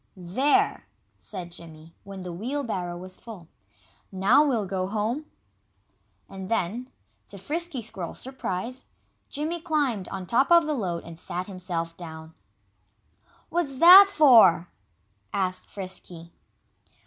"There!" said Jimmy, when the wheelbarrow was full. "Now we'll go home." And then, to Frisky Squirrel's surprise, Jimmy climbed on top of the load and sat himself down. "What's that for?" asked Frisky.